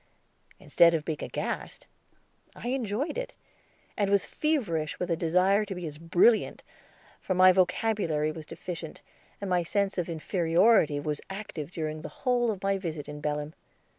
Instead of being aghast, I enjoyed it, and was feverish with a desire to be as brilliant, for my vocabulary was deficient and my sense of inferiority was active during the whole of my visit in Belem.